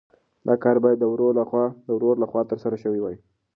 دا کار باید د ورور لخوا ترسره شوی وای.